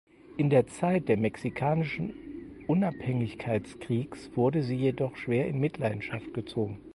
In der Zeit der Mexikanischen Unabhängigkeitskriegs wurde sie jedoch schwer in Mitleidenschaft gezogen.